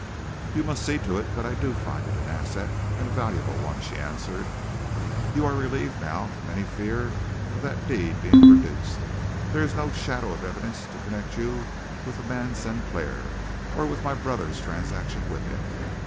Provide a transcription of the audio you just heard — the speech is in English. "You must see to it that I do find it an asset, and a valuable one," she answered. "You are relieved now from any fear of that deed being produced. There is no shadow of evidence to connect you with the man Sinclair, or with my brother's transaction with him.